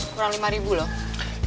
kurang lima ribu loh